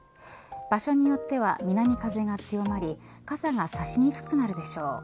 場所によっては南風が強まり傘がさしにくくなるでしょう。